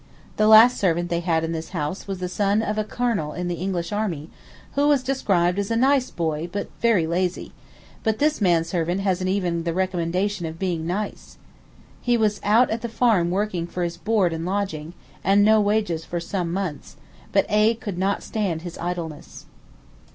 The last servant they had in this house was the son of a colonel in the English Army, who was described as "a nice boy but very lazy"; but this man servant hasn't even the recommendation of being nice. He was out at the farm working for his board and lodging, and no wages for some months, but A could not stand his idleness.